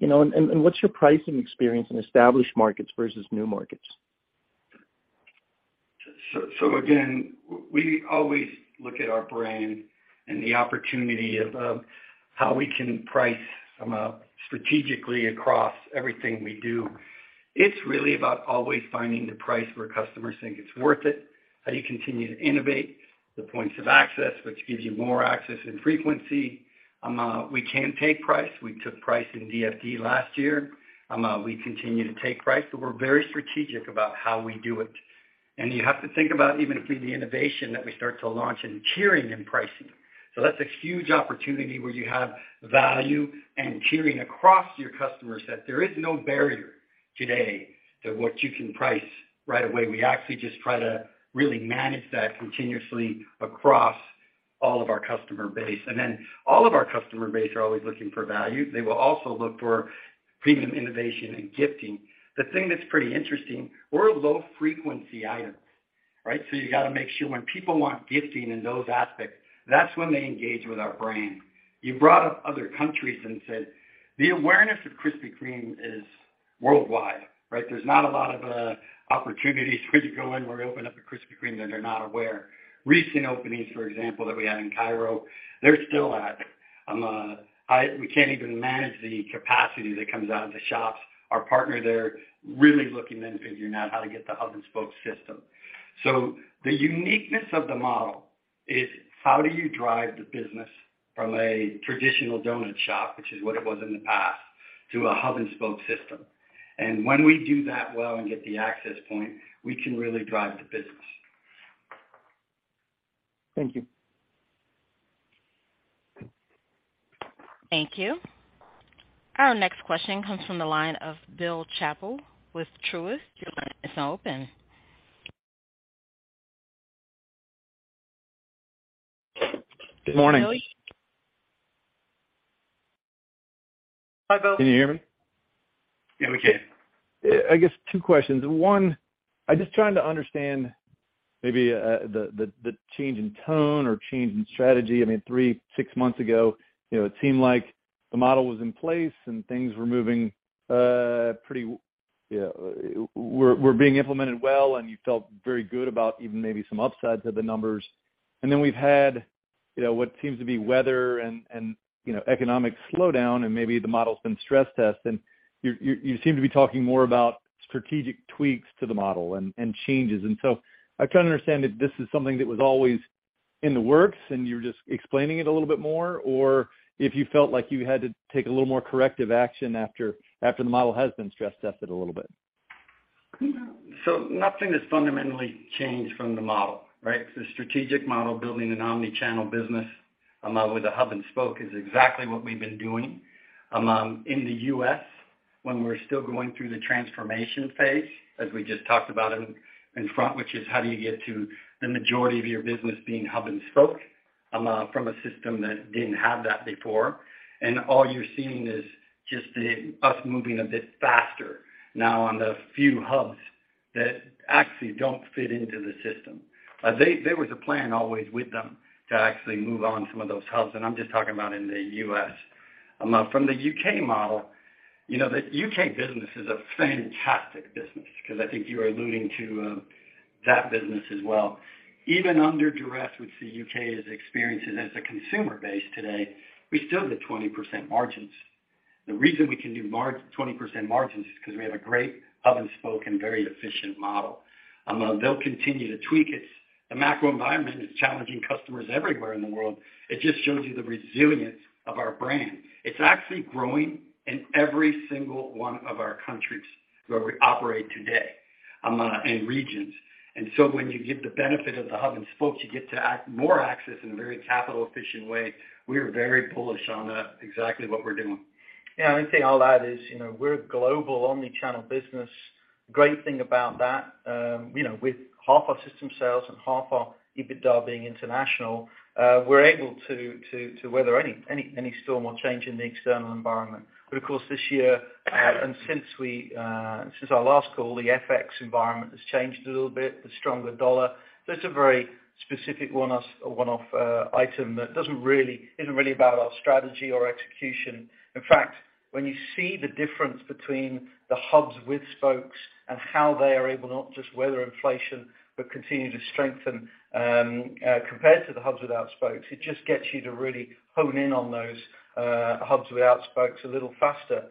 You know, what's your pricing experience in established markets versus new markets? Again, we always look at our brand and the opportunity of how we can price strategically across everything we do. It's really about always finding the price where customers think it's worth it, how do you continue to innovate the points of access, which gives you more access and frequency. We can take price. We took price in DFD last year. We continue to take price, but we're very strategic about how we do it. You have to think about even through the innovation that we start to launch in tiering and pricing. That's a huge opportunity where you have value and tiering across your customer set. There is no barrier today to what you can price right away. We actually just try to really manage that continuously across all of our customer base. All of our customer base are always looking for value. They will also look for premium innovation and gifting. The thing that's pretty interesting, we're a low frequency item, right? So you gotta make sure when people want gifting in those aspects, that's when they engage with our brand. You brought up other countries and said the awareness of Krispy Kreme is worldwide, right? There's not a lot of opportunities where you go in, where you open up a Krispy Kreme that they're not aware. Recent openings, for example, that we had in Cairo, they're still at. We can't even manage the capacity that comes out of the shops. Our partner, they're really looking then figuring out how to get the hub and spoke system. The uniqueness of the model is how do you drive the business from a traditional doughnut shop, which is what it was in the past, to a hub and spoke system. When we do that well and get the access point, we can really drive the business. Thank you. Thank you. Our next question comes from the line of Bill Chappell with Truist. Your line is now open. Good morning. Hi, Bill. Can you hear me? Yeah, we can. I guess two questions. One, I'm just trying to understand maybe the change in tone or change in strategy. I mean, three-six months ago, you know, it seemed like the model was in place and things were moving, were being implemented well, and you felt very good about even maybe some upsides of the numbers. Then we've had, you know, what seems to be weather and economic slowdown and maybe the model's been stress tested. You seem to be talking more about strategic tweaks to the model and changes. I'm trying to understand if this is something that was always in the works and you're just explaining it a little bit more, or if you felt like you had to take a little more corrective action after the model has been stress tested a little bit. Nothing has fundamentally changed from the model, right? The strategic model, building an omni-channel business, with a hub and spoke is exactly what we've been doing. In the U.S., when we're still going through the transformation phase, as we just talked about in front, which is how do you get to the majority of your business being hub and spoke, from a system that didn't have that before. All you're seeing is just us moving a bit faster now on the few hubs that actually don't fit into the system. There was a plan always with them to actually move on some of those hubs, and I'm just talking about in the U.S. From the U.K. model, you know, the U.K. business is a fantastic business because I think you are alluding to that business as well. Even under duress, which the U.K. has experienced, and as a consumer base today, we still did 20% margins. The reason we can do 20% margins is 'cause we have a great hub and spoke and very efficient model. They'll continue to tweak it. The macro environment is challenging customers everywhere in the world. It just shows you the resilience of our brand. It's actually growing in every single one of our countries where we operate today, and regions. When you get the benefit of the hub and spoke, you get more access in a very capital efficient way. We are very bullish on exactly what we're doing. Yeah, the only thing I'll add is, you know, we're a global omni-channel business. Great thing about that, you know, with half our system sales and half our EBITDA being international, we're able to weather any storm or change in the external environment. Of course, this year and since our last call, the FX environment has changed a little bit, the stronger dollar. That's a very specific one-off item that isn't really about our strategy or execution. In fact, when you see the difference between the hubs with spokes and how they are able, not just weather inflation, but continue to strengthen, compared to the hubs without spokes, it just gets you to really hone in on those hubs without spokes a little faster.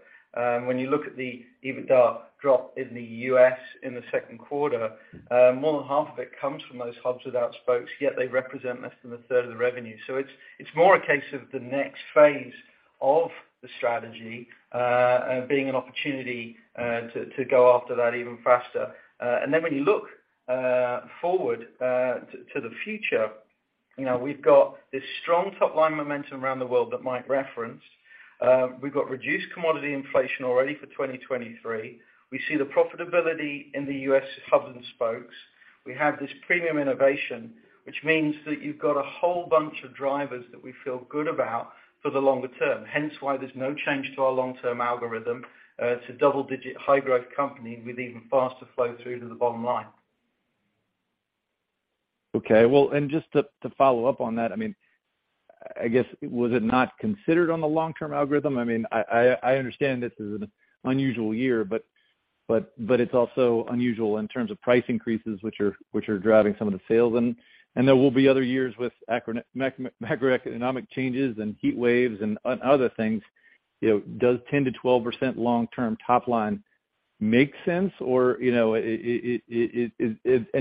When you look at the EBITDA drop in the U.S. in the second quarter, more than half of it comes from those hubs without spokes, yet they represent less than a third of the revenue. It's more a case of the next phase of the strategy being an opportunity to go after that even faster. When you look forward to the future, you know, we've got this strong top-line momentum around the world that Mike referenced. We've got reduced commodity inflation already for 2023. We see the profitability in the U.S. hubs and spokes. We have this premium innovation, which means that you've got a whole bunch of drivers that we feel good about for the longer term. Hence why there's no change to our long-term algorithm. It's a double-digit high growth company with even faster flow through to the bottom line. Okay. Well, just to follow up on that, I mean, I guess, was it not considered on the long-term algorithm? I mean, I understand this is an unusual year, but it's also unusual in terms of price increases, which are driving some of the sales. There will be other years with macroeconomic changes and heat waves and other things. You know, does 10%-12% long-term top line make sense or, you know, and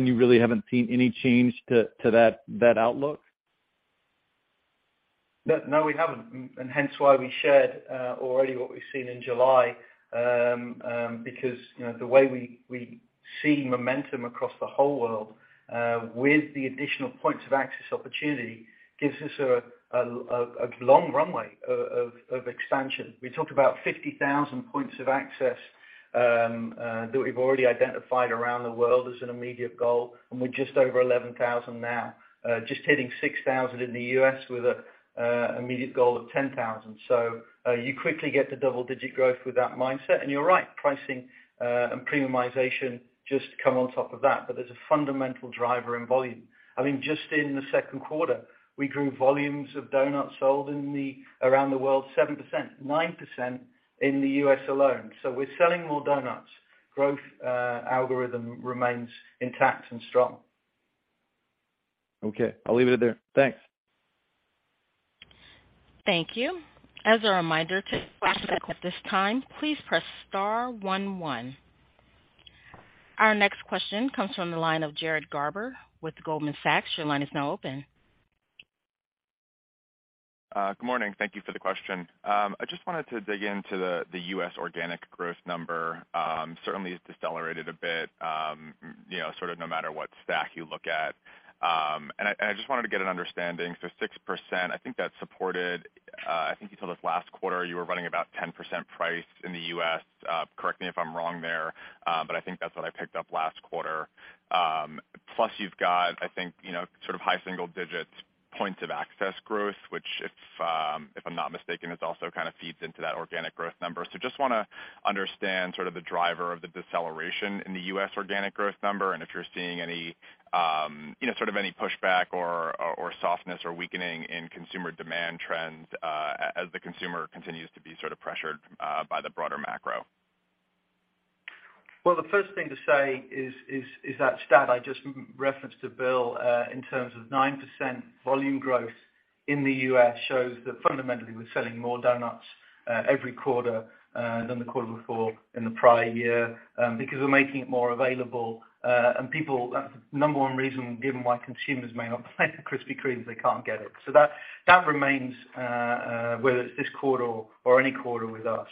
you really haven't seen any change to that outlook? No, no, we haven't. Hence why we shared already what we've seen in July, because, you know, the way we see momentum across the whole world with the additional points of access opportunity gives us a long runway of expansion. We talked about 50,000 points of access that we've already identified around the world as an immediate goal, and we're just over 11,000 now, just hitting 6,000 in the U.S. with an immediate goal of 10,000. You quickly get to double-digit growth with that mindset. You're right, pricing and premiumization just come on top of that. There's a fundamental driver in volume. I mean, just in the second quarter, we grew volumes of doughnuts sold around the world 7%, 9% in the U.S. alone. We're selling more doughnuts. Growth algorithm remains intact and strong. Okay. I'll leave it there. Thanks. Thank you. As a reminder, to ask a question at this time, please press star one one. Our next question comes from the line of Jared Garber with Goldman Sachs. Your line is now open. Good morning. Thank you for the question. I just wanted to dig into the U.S. organic growth number, certainly it's decelerated a bit, you know, sort of no matter what stack you look at. I just wanted to get an understanding. Six percent, I think that's supported. I think you told us last quarter you were running about 10% price in the U.S. Correct me if I'm wrong there, but I think that's what I picked up last quarter. Plus you've got, I think, you know, sort of high single digits points of access growth, which if I'm not mistaken, it also kind of feeds into that organic growth number. Just wanna understand sort of the driver of the deceleration in the U.S. organic growth number, and if you're seeing any, you know, sort of any pushback or softness or weakening in consumer demand trends, as the consumer continues to be sort of pressured by the broader macro? Well, the first thing to say is that stat I just referenced to Bill in terms of 9% volume growth in the U.S. shows that fundamentally we're selling more doughnuts every quarter than the quarter before in the prior year because we're making it more available. Number one reason given why consumers may not buy Krispy Kreme, they can't get it. That remains whether it's this quarter or any quarter with us.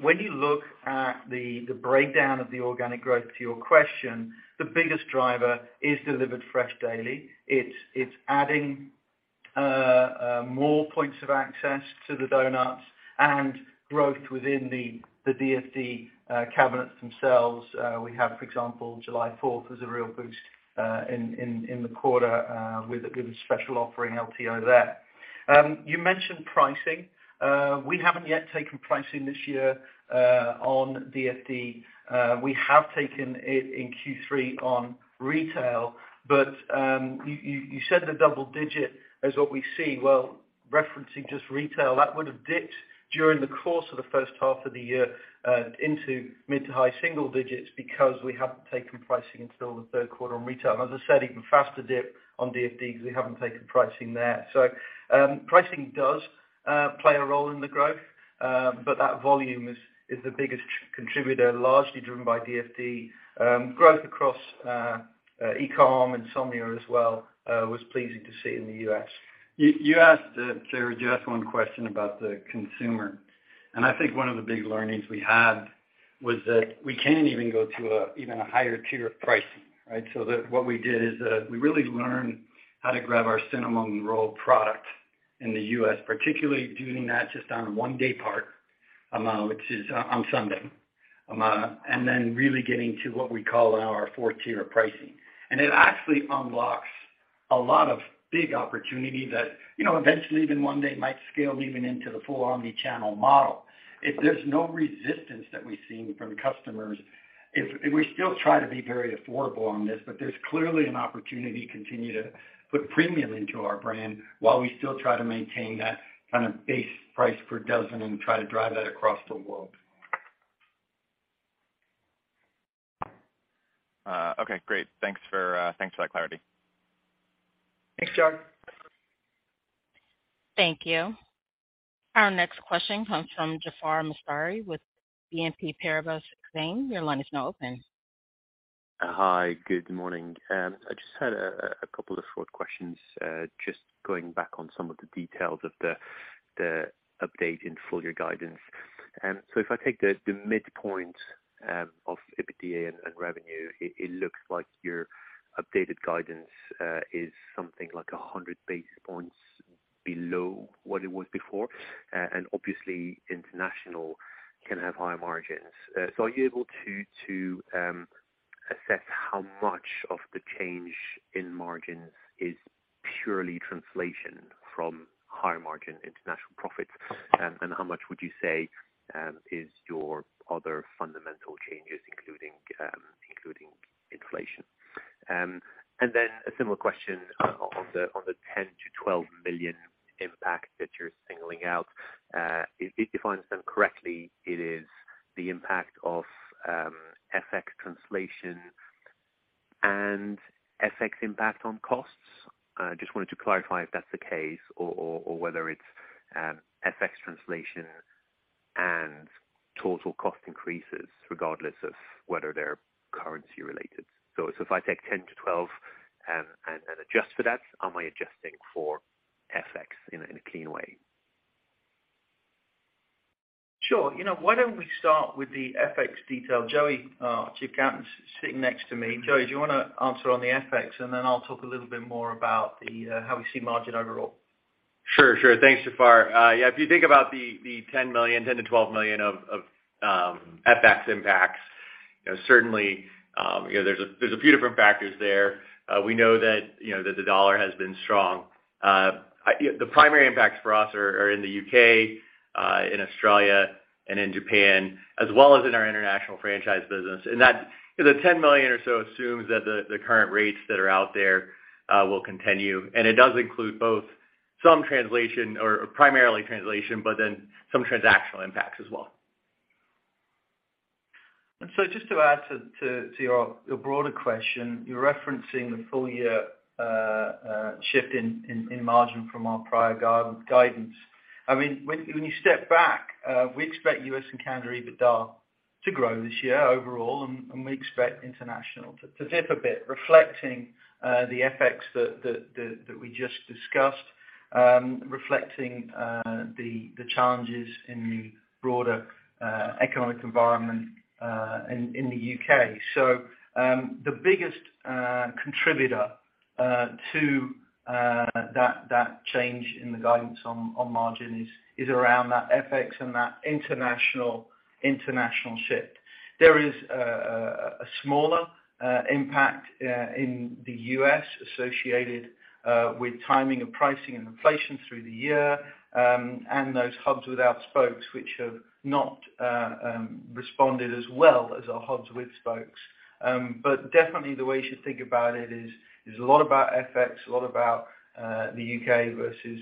When you look at the breakdown of the organic growth to your question, the biggest driver is delivered fresh daily. It's adding more points of access to the doughnuts and growth within the DFD cabinets themselves. We have, for example, July 4th was a real boost in the quarter with a good special offering LTO there. You mentioned pricing. We haven't yet taken pricing this year on DFD. We have taken it in Q3 on retail, but you said the double-digit is what we see. Well, referencing just retail, that would have dipped during the course of the first half of the year into mid- to high-single digits because we haven't taken pricing until the third quarter on retail. As I said, even faster dip on DFD because we haven't taken pricing there. Pricing does play a role in the growth, but that volume is the biggest contributor, largely driven by DFD. Growth across e-com and Insomnia Cookies as well was pleasing to see in the U.S. Jared, you asked one question about the consumer, and I think one of the big learnings we had was that we can even go to an even higher tier of pricing, right? What we did is that we really learned how to grab our Cinnamon Rolls product in the U.S., particularly doing that just on a one-day promo, which is on Sunday, and then really getting to what we call our fourth tier of pricing. It actually unlocks a lot of big opportunity that, you know, eventually even one day might scale even into the full omni-channel model. If there's no resistance that we've seen from customers, if we still try to be very affordable on this, but there's clearly an opportunity to continue to put premium into our brand while we still try to maintain that kind of base price per dozen and try to drive that across the world. Okay, great. Thanks for that clarity. Thanks, Jared. Thank you. Our next question comes from Jaafar Mestari with BNP Paribas Exane. Your line is now open. Hi, good morning. I just had a couple of short questions, just going back on some of the details of the update in full-year guidance. If I take the midpoint of EBITDA and revenue, it looks like your updated guidance is something like 100 basis points below what it was before. Obviously international can have higher margins. Are you able to assess how much of the change in margins is purely translation from higher margin international profits? How much would you say is your other fundamental changes, including inflation? A similar question on the $10 million-$12 million impact that you're singling out. If I understand correctly, it is the impact of FX translation and FX impact on costs. I just wanted to clarify if that's the case or whether it's FX translation and total cost increases regardless of whether they're currency related. If I take $10 million-$12 million and adjust for that, am I adjusting for FX in a clean way? Sure. You know, why don't we start with the FX detail? Joey, our chief accountant, sitting next to me. Joey, do you wanna answer on the FX, and then I'll talk a little bit more about the, how we see margin overall. Sure. Thanks, Jaafar. Yeah, if you think about the $10 million-$12 million of FX impacts. You know, certainly, you know, there's a few different factors there. We know that, you know, that the dollar has been strong. The primary impacts for us are in the U.K., in Australia and in Japan, as well as in our international franchise business. That $10 million or so assumes that the current rates that are out there will continue. It does include both some translation or primarily translation, but then some transactional impacts as well. Just to add to your broader question, you're referencing the full year shift in margin from our prior guidance. I mean, when you step back, we expect U.S. and Canada EBITDA to grow this year overall, and we expect international to dip a bit, reflecting the FX that we just discussed, reflecting the challenges in the broader economic environment in the U.K. The biggest contributor to that change in the guidance on margin is around that FX and that international shift. There is a smaller impact in the U.S. associated with timing of pricing and inflation through the year, and those hubs without spokes which have not responded as well as our hubs with spokes. Definitely the way you should think about it is a lot about FX, a lot about the U.K. versus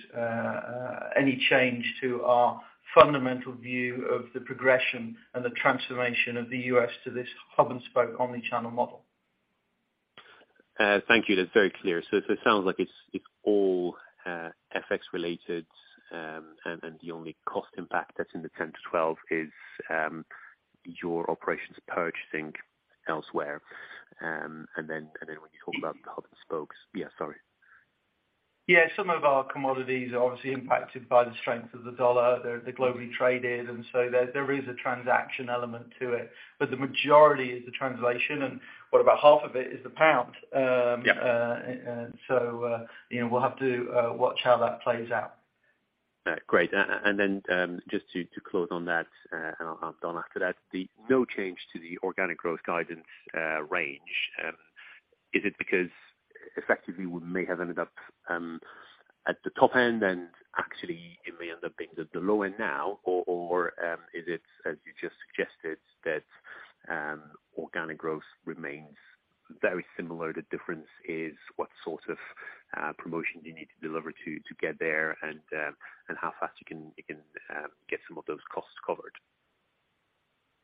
any change to our fundamental view of the progression and the transformation of the U.S. to this hub and spoke omni-channel model. Thank you. That's very clear. It sounds like it's all FX related, and then the only cost impact that's in the 10-12 is your operations purchasing elsewhere. When you talk about the hub and spokes. Yeah, sorry. Yeah. Some of our commodities are obviously impacted by the strength of the U.S. dollar. They're globally traded, and so there is a transaction element to it. But the majority is the translation and what about half of it is the pound sterling. Yeah. You know, we'll have to watch how that plays out. Great. Just to close on that, and I'll be done after that. There's no change to the organic growth guidance range. Is it because effectively we may have ended up at the top end and actually it may end up being at the low end now? Or is it, as you just suggested, that organic growth remains very similar, the difference is what sort of promotion you need to deliver to get there and how fast you can get some of those costs covered?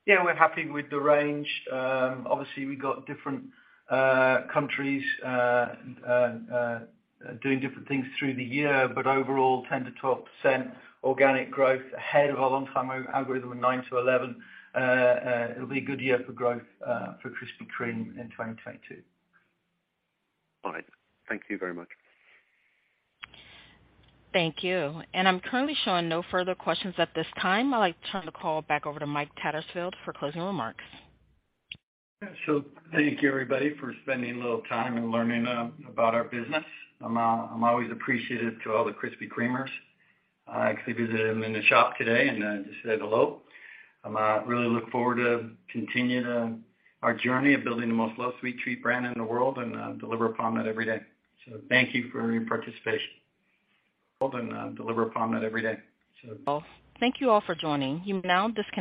Yeah, we're happy with the range. Obviously we got different countries doing different things through the year, but overall 10%-12% organic growth ahead of our long-term algorithm of 9%-11%. It'll be a good year for growth for Krispy Kreme in 2022. All right. Thank you very much. Thank you. I'm currently showing no further questions at this time. I'd like to turn the call back over to Mike Tattersfield for closing remarks. Thank you everybody for spending a little time and learning about our business. I'm always appreciative to all the Krispy Kremers. I actually visited them in the shop today and just said hello. I'm really look forward to continue our journey of building the most loved sweet treat brand in the world and deliver upon that every day. Thank you for your participation. Well done. Deliver upon that every day, so. Thank you all for joining. You may now disconnect.